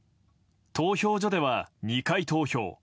投票所では２回投票。